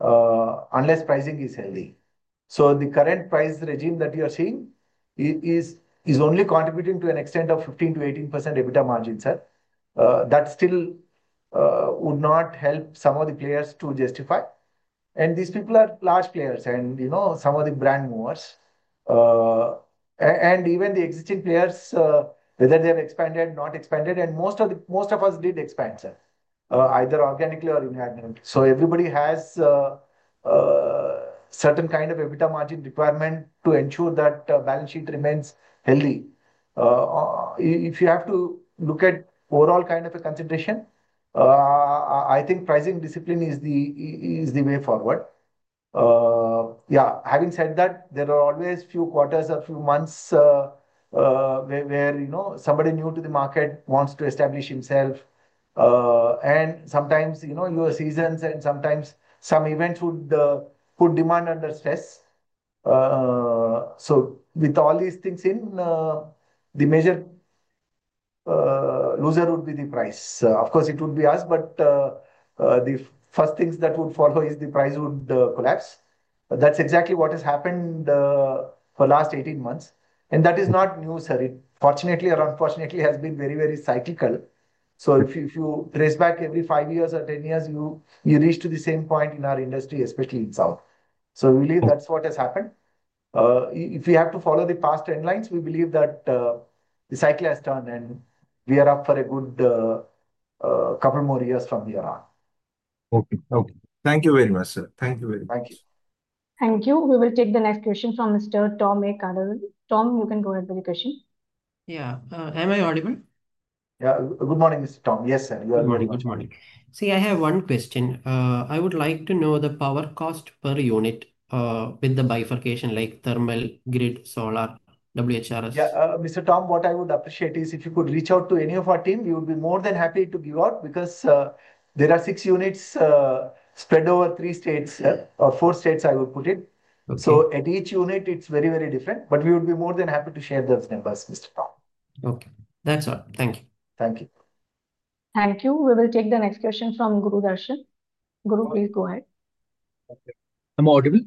unless pricing is healthy. The current price regime that you are seeing is only contributing to an extent of 15%-18% EBITDA margin, sir. That still would not help some of the players to justify. These people are large players and, you know, some of the brand movers and even the existing players, whether they have expanded, not expanded. Most of us did expand, sir, either organically or inorganically. Everybody has certain kind of EBITDA margin requirement to ensure that balance sheet remains healthy. If you have to look at overall kind of a consideration, I think pricing discipline is the way forward. Having said that, there are always few quarters, a few months where, you know, somebody new to the market wants to establish himself. Sometimes, you know, your seasons and sometimes some events would put demand under stress. With all these things, the major loser would be the price. Of course, it would be us. The first thing that would follow is the price would collapse. That's exactly what has happened for the last 18 months. That is not new, sir. It fortunately or unfortunately has been very, very cyclical. If you trace back every five years or 10 years, you reach the same point in our industry, especially in South India. That's what has happened. If we have to follow the past trend lines, we believe that the cycle has turned and we are up for a good couple more years from here on. Okay. Okay. Thank you very much, sir. Thank you very much. Thank you. Thank you. We will take the next question from Mr. Tom A. Cardinal. Tom, you can go ahead with the question. Yeah, am I audible? Good morning, Mr. Tom. Yes, sir. Good morning. Good morning. See, I have one question. I would like to know the power cost per unit with the bifurcation like thermal grid, solar, WHRS. Mr. Tom, what I would appreciate is if you could reach out to any of our team, you would be more than happy to give up because there are six units spread over three states, four states, I would put it so at each unit, it's very, very different. We would be more than happy to share those numbers, Mr. Tom. Okay.That's all. Thank you. Thank you. Thank you. We will take the next question from Guru Darshan Guru. Please go ahead. I'm audible?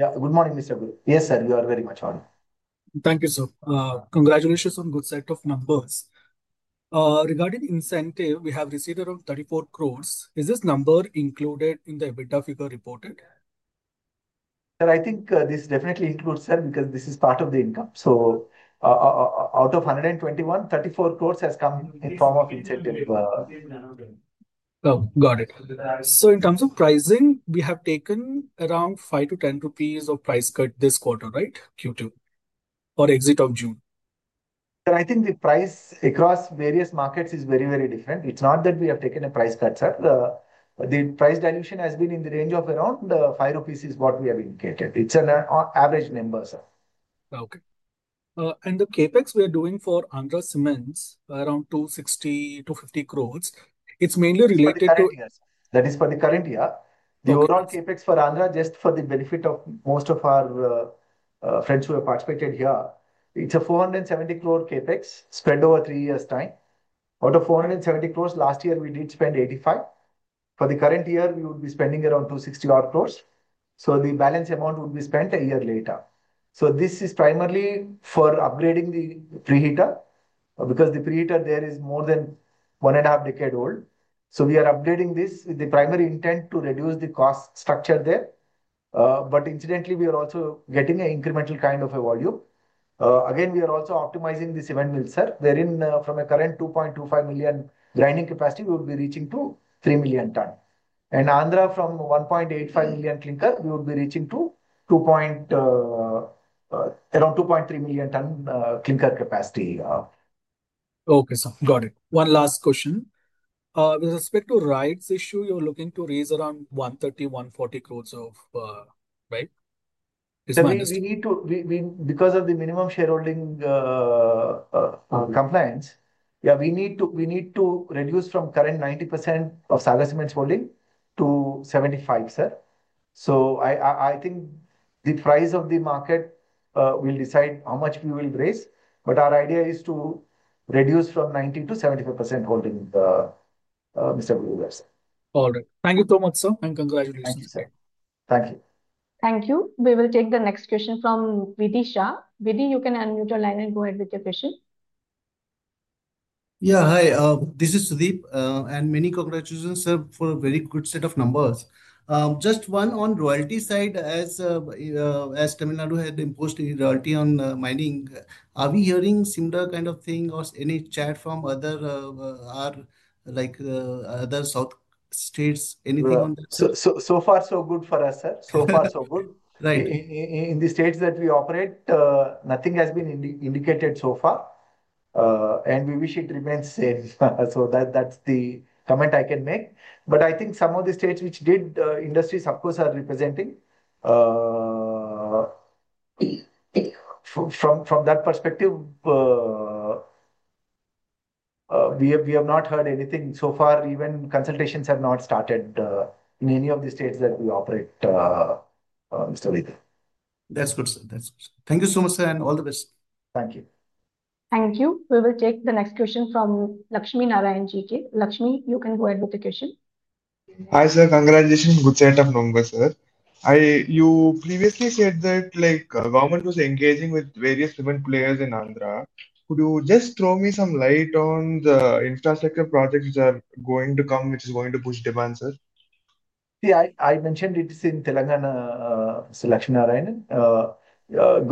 Yeah. Good morning. Yes sir. You are very much audible. Thank you sir. Congratulations on good set of numbers. Regarding incentive, we have received around 34 crore. Is this number included in the EBITDA figure reported? I think this definitely includes sir, because this is part of the income. Out of 121 crore, 34 crore has come in form of incentive. Got it. In terms of pricing, we have. Taken around 5-10 rupees of price cut this quarter. Right. Q2 or exit of June. I think the price across various markets is very, very different. It's not that we have taken a price cut, sir. The price dilution has been in the range of around 5 rupees is what we have indicated. It's an average number, sir. Okay. The CAPEX we are doing for Andhra Cements Ltd around 260 to 50 crores. It's mainly related to That is for the current year the overall CapEx for Andhra. Just for the benefit of most of our friends who have participated here, it's a 470 crore CapEx spend over three years' time. Out of 470 crores, last year we did spend 85. For the current year we would be spending around 260 odd crores. The balance amount would be spent a year later. This is primarily for upgrading the preheater because the preheater there is more than one and a half decade old. We are updating this. The primary intent is to reduce the cost structure there. Incidentally, we are also getting an incremental kind of a volume. We are also optimizing this event mill, sir, wherein from a current 2.25 million grinding capacity we will be reaching to 3 million ton. Andhra from 1.85 million clinker we would be reaching to around 2.3 million ton clinker capacity. Okay sir. Got it. One last question. With respect to rights issue, you're looking to raise around 130-140 crores of rights because of the minimum public shareholding norms compliance. Yeah. We need to reduce from current 90% of Sagar Cements Ltd holding to 75%, sir. I think the price of the market will decide how much we will raise. Our idea is to reduce from 90% to 75% holding. Mr. Bluegrass. All right. Thank you so much, sir, and congratulations. Thank you. Thank you. We will take the next question from Vidisha. Vidhi, you can unmute your line and go ahead with your question. Yeah hi, this is Sudeep and many congratulations sir for a very good set of numbers. Just one on royalty side as Tamil Nadu had imposed royalty on mining. Are we hearing similar kind of thing or any chat from other, like other South states? Anything so far so good for us sir? So far so good, right. In the states that we operate nothing has been indicated so far and we wish it remains same, that's the comment I can make. I think some of the states which did, industries of course are representing food from. From that perspective, we have not heard anything so far. Even consultations have not started in any of the states that we operate. That's good. Thank you so much sir and all the best. Thank you. Thank you. We will take the next question from Lakshmi Narayan. G.K. Lakshmi, you can go ahead with the question. Hi sir, congratulations. Good side of number. Sir, you previously said that like government was engaging with various different players in Andhra. Could you just throw me some light on the infrastructure projects which are going to come which is going to push demand, sir? Yeah, I mentioned it is in Telangana. Selection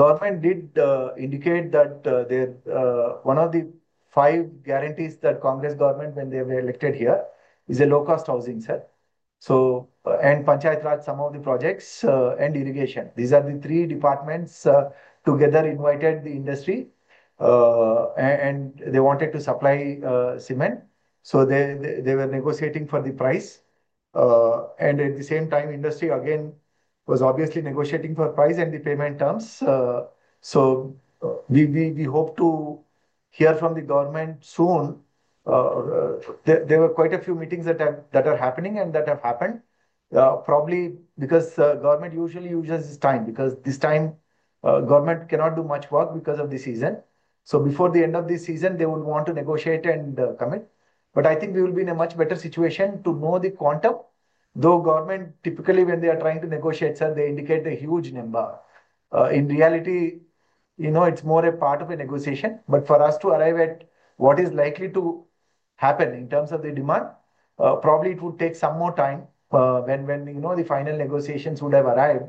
government did indicate that one of the five guarantees that Congress government, when they were elected here, is a low cost housing set, so and Panchayatraj, some of the projects and irrigation. These are the three departments together invited the industry and they wanted to supply cement, so they were negotiating for the price and at the same time industry again was obviously negotiating for price and the payment terms. We hope to hear from the government soon. There were quite a few meetings that are happening and that have happened probably because government usually uses this time because this time government cannot do much work because of the season. Before the end of this season they would want to negotiate and commit. I think we will be in a much better situation to know the quantum, though government typically when they are trying to negotiate, sir, they indicate a huge number. In reality, you know, it's more a part of a negotiation, but for us to arrive at what is likely to happen in terms of the demand, probably it would take some more time when the final negotiations would have arrived.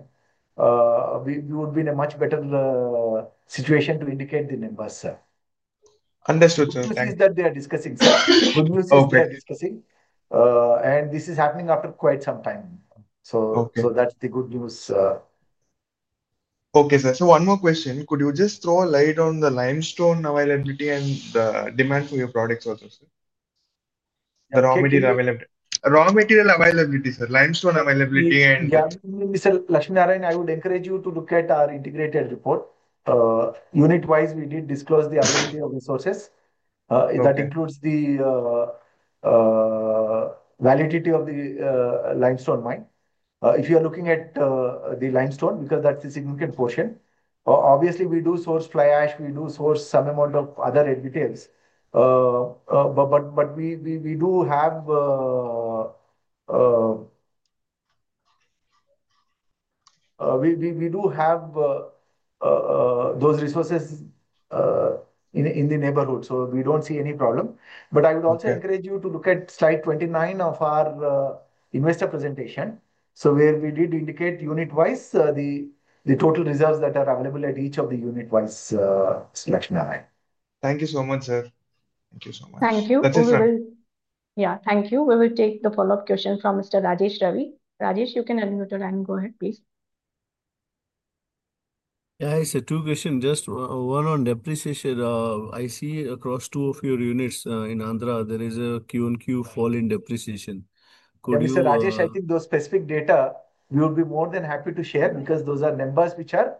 We would be in a much better situation to indicate the numbers, sir. Understood, sir, Good news that they are discussing, sir, and this is happening after quite some time. That's the good news. Okay sir, one more question. Could you just throw a light on the limestone availability and the demand for your products? Okay. Raw material availability. Raw material availability, sir. Limestone availability. I would encourage you to look at our integrated report unit wise. We did disclose the availability of resources. That includes the validity of the limestone mine. If you're looking at the limestone because that's a significant portion. Obviously, we do source fly ash, we do source some amount of other details. But ee do have those resources in the neighborhood, so we don't see any problem. I would also encourage you to look at slide 29 of our investor presentation, where we did indicate unit wise the total reserves that are available at each of the unit wise selection. Thank you so much, sir. Thank you so much. Thank you. Thank you. We will take the follow-up question from Mr. Rajesh Singh. Rajesh, you can unmute your hand. Go ahead, please. Yeah. It's a two question, just one on depreciation. I see across two of your units in Andhra there is a Q-on-Q fall in depreciation. I think those specific data you would be more than happy to share because those are numbers which are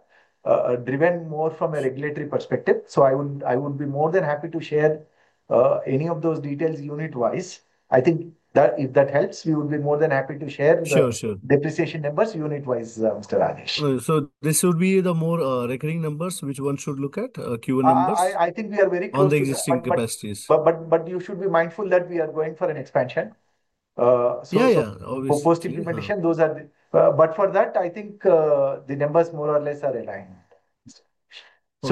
driven more from a regulatory perspective. I would be more than happy to share any of those details unit wise. I think that if that helps we would be more than happy to share depreciation numbers unit wise. This would be the more recurring numbers which one should look at Q numbers. I think we are very on the existing capacities, but you should be mindful that we are going for an expansion. Yeah, yeah. Proposed implementation. Those are. For that, I think the numbers more or less are aligned.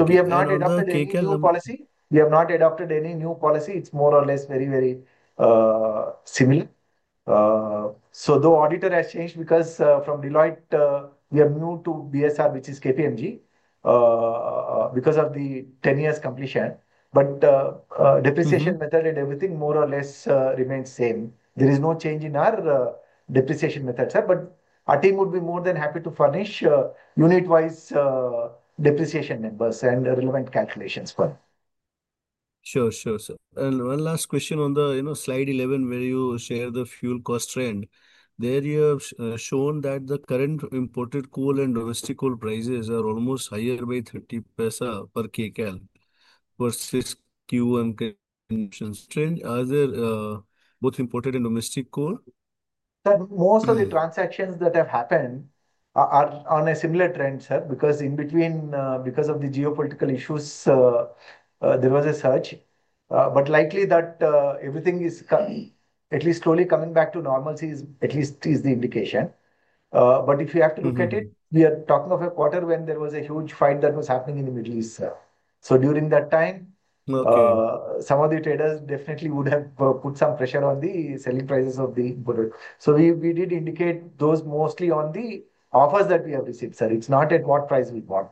We have not adopted policy. We have not adopted any new policy. It's more or less very, very similar. Though auditor has changed because from Deloitte we are new to BSR which is KPMG because of the 10 years completion, depreciation method and everything more or less remains same. There is no change in our depreciation method, sir. Our team would be more than happy to furnish unit wise depreciation numbers and relevant calculations for sure. Sure sir. One last question on slide 11 where you share the fuel cost trend. There you have shown that the current imported coal and domestic coal prices are almost higher by 0.30 per kg versus Q1. Are there both imported and domestic coal? Most of the transactions that have happened are on a similar trend, sir. In between, because of the geopolitical issues, there was a surge. It is likely that everything is at least slowly coming back to normalcy, that is at least the indication. If you have to look at it, we are talking of a quarter when there was a huge fight that was happening in the Middle East. During that time, some of the traders definitely would have put some pressure on the selling prices of the bullet. We did indicate those mostly on the offers that we have received. Sir, it's not at what price we bought.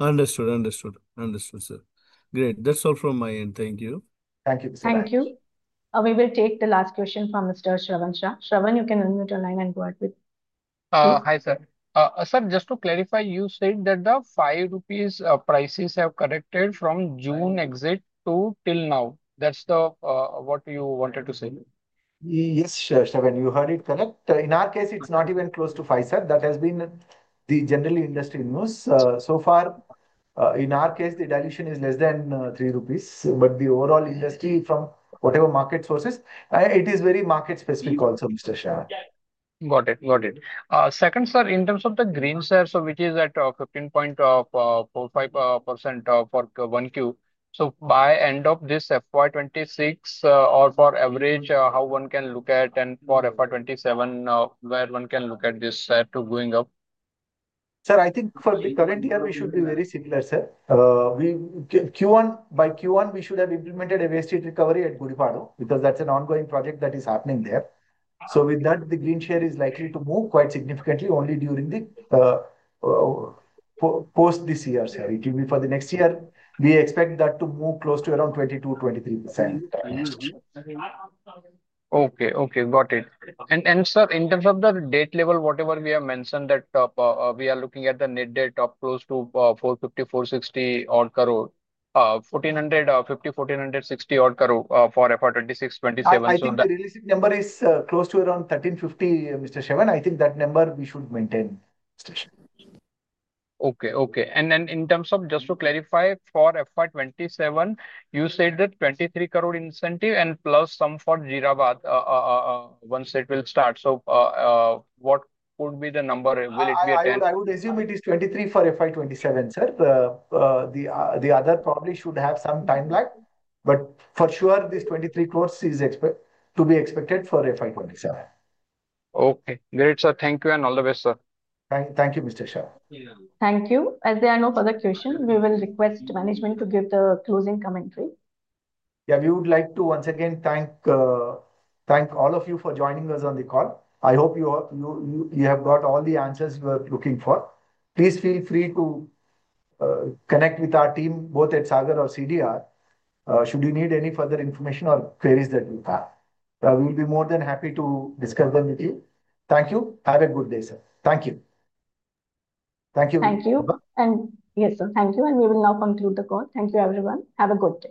Understood. Understood. Understood, sir. Great. That's all from my end. Thank you. Thank you. Thank you. We will take the last question from Mr. Shravan Shah. Shravan, you can unmute your line and go ahead. Hi sir. Sir, just to clarify, you said that the 5 rupees prices have corrected from June exit to till now. That's what you wanted to say? Yes, Sven, you heard it correct. In our case it's not even close to five. Sir, that has been the general industry news so far. In our case the dilution is less than 3 rupees. The overall industry from whatever market sources, it is very market specific also. Mr. Shah. Got it. Got it. Second sir, in terms of the green share, which is at 15.45% for 1Q, by end of this FY 2026 or for average how one can look at it? For FY 2027, where one can look at this going up? Sir, I think for the current year we should be very similar. Q1 by Q1 we should have implemented a wastage recovery at Jeerabad because that's an ongoing project that is happening there. With that, the green share is likely to move quite significantly only during the post this year. Sorry, it will be for the next year. We expect that to move close to around 20%-23%. Okay, got it. Sir, in terms of the debt level, we have mentioned that we are looking at the net debt of close to 450 crore, 460 crore, 1,450 crore, 1,460 crore for FY 2026-2027 number. Close to around 1,357. I think that number we should maintain. Okay. Okay. In terms of just to clarify for FY 2027, you said that 23 crore incentive and plus some for Jeerabad once it will start. What would be the number, will it be. I would assume it is 23 for FY 2027. Sir, the other probably should have some time lag, but for sure this 23 crore is expected to be expected for FY 2027. Okay, great, sir. Thank you and all the best, sir. Thank you, Mr. Shah. Thank you. As there are no further questions, we will request management to give the closing commentary. Yeah, we would like to once again thank all of you for joining us on the call. I hope you have got all the answers you're looking for. Please feel free to connect with our team both at Sagar or CDR. Should you need any further information or queries that you have, we will be more than happy to discuss them with you. Thank you. Have a good day, sir. Thank you. Thank you. Thank you. Yes, sir, thank you. We will now conclude the call. Thank you everyone. Have a good day.